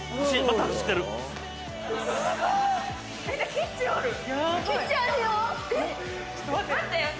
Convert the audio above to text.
キッチンあるよ。